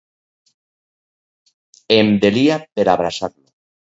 Em delia per abraçar-lo.